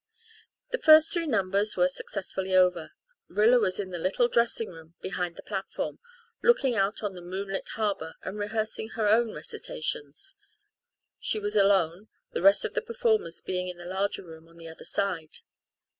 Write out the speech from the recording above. The first three numbers were successfully over. Rilla was in the little dressing room behind the platform, looking out on the moonlit harbour and rehearsing her own recitations. She was alone, the rest of the performers being in the larger room on the other side.